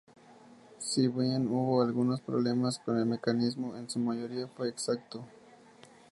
Si bien hubo algunos problemas con el mecanismo, en su mayoría fue exacto.